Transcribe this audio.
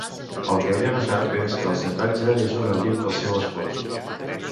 El que ella no sap és que el xantatge és un ardit del seu espòs.